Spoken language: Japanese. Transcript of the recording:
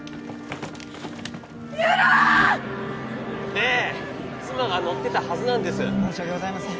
ねえ妻が乗ってたはずなんです申し訳ございません